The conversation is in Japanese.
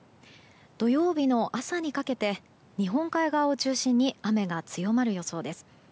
土曜日の朝にかけて日本海側を中心に雨が強まる予想です。